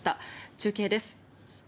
中継です。